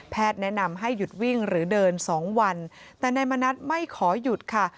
แนะนำให้หยุดวิ่งหรือเดินสองวันแต่นายมณัฐไม่ขอหยุดค่ะ